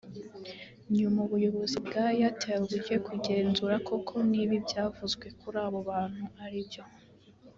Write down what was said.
nyuma ubuyobozi bwa Airtel bujye kugenzura koko niba ibyavuzwe kuri abo bantu ari byo